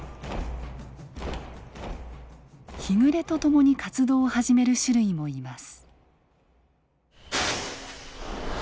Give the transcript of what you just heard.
日暮れとともに活動を始める種類もいます。